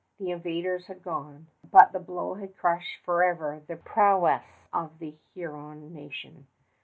The invaders had gone; but the blow had crushed forever the prowess of the Huron nation.